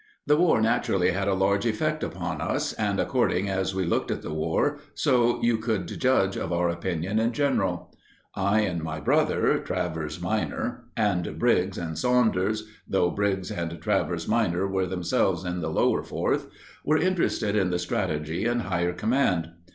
The war naturally had a large effect upon us, and according as we looked at the war, so you could judge of our opinions in general. I and my brother, Travers minor, and Briggs and Saunders though Briggs and Travers minor were themselves in the Lower Fourth were interested in the strategy and higher command.